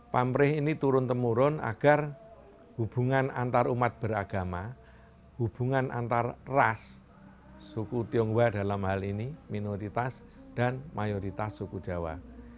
pamrih ini turun temurun agar hubungan antarumat beragama hubungan antar ras suku tionghoa dalam hal ini minoritas dan mayoritas suku jawa